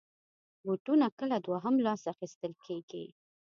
بوټونه کله دوهم لاس اخېستل کېږي.